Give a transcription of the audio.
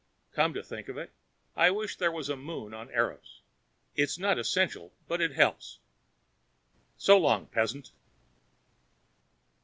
Come to think of it, I wish there was a moon on Eros. It's not essential, but it helps. So long, peasant.